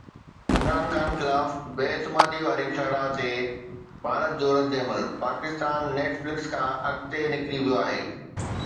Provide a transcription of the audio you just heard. عمران خان خلاف بي اعتمادي واري ٺهراءُ تي ڀارت جو رد عمل: ’پاڪستان نيٽ فلڪس کان اڳتي نڪري ويو آهي‘